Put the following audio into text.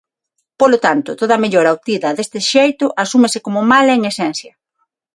Polo tanto, toda mellora obtida deste xeito asúmese como mala en esencia.